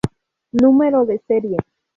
Número de serie.